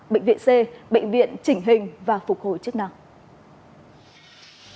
bệnh viện c bệnh viện chỉnh hình và phục hồi chức năng